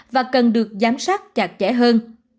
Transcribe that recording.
và cần được giám sát chặt chẽ hơn